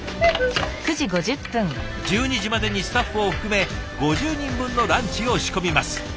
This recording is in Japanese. １２時までにスタッフを含め５０人分のランチを仕込みます。